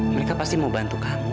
mereka pasti mau bantu kamu